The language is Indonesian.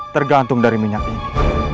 tergantung dari minyak ini